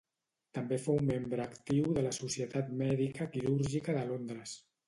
També fou membre actiu de la Societat Mèdica Quirúrgica de Londres.